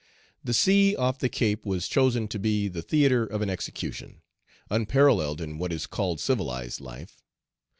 The sea off the Cape was chosen to be the theatre of an execution, unparalleled in what is called civilized life.